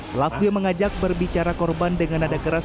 pelaku yang mengajak berbicara korban dengan nada keras